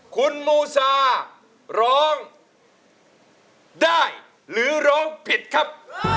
คุณมูซาร้องได้หรือร้องผิดครับ